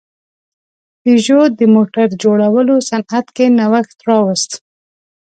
پيژو د موټر جوړولو صنعت کې نوښت راوست.